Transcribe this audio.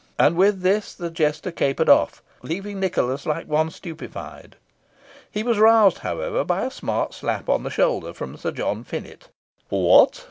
And with this the jester capered off, leaving Nicholas like one stupefied. He was roused, however, by a smart slap on the shoulder from Sir John Finett. "What!